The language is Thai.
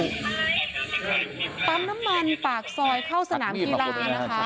ปั๊มน้ำมันปากซอยเข้าสนามกีฬานะคะ